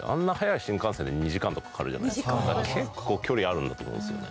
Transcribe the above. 結構距離あるんだと思うんですよね。